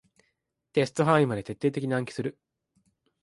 テスト範囲まで徹底的に暗記する